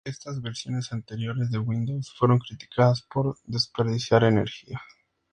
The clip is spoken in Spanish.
Como resultado, estas versiones anteriores de Windows fueron criticadas por desperdiciar energía.